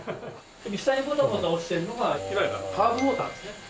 下にポタポタ落ちているのがいわゆるハーブウォーターですね。